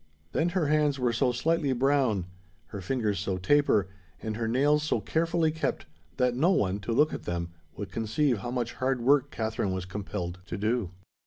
Then her hands were so slightly brown, her fingers so taper, and her nails so carefully kept, that no one, to look at them, would conceive how much hard work Katherine was compelled to do.